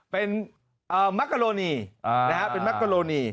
เป็นมะกะโรนีนะฮะเป็นมะกะโรนี